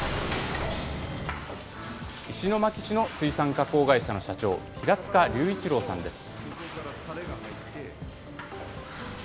石巻市の水産加工会社の社長、平塚隆一郎さんです。